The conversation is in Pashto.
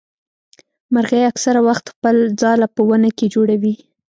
مرغۍ اکثره وخت خپل ځاله په ونه کي جوړوي.